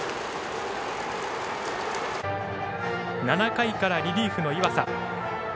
７回からリリーフの岩佐。